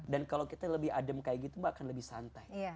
dan kalau kita lebih adem kayak gitu bahkan lebih santai